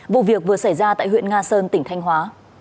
vụ việc vừa xảy ra tại huyện nga sơn tỉnh thanh hóa